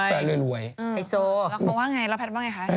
แล้วแพทย์บอกว่าไงคะ